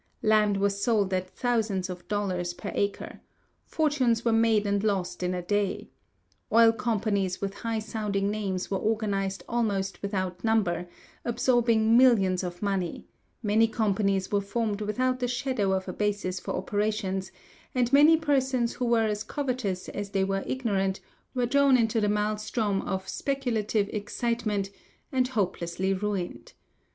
Land was sold at thousands of dollars per acre. Fortunes were made and lost in a day. Oil companies with high sounding names were organized almost without number, absorbing millions of money; many companies were formed without the shadow of a basis for operations, and many persons who were as covetous as they were ignorant, were drawn into the maelstrom of speculative excitement and hopelessly ruined.